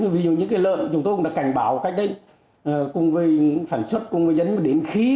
ví dụ như cái lợn chúng tôi cũng đã cảnh báo cách đấy cùng với phản xuất cùng với dân điểm khí